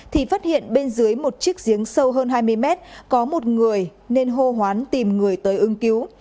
thì phát hiện bên dưới một chiếc giếng sâu hơn hai mươi mét có một người nên hô hoán tìm người tới ưng cứu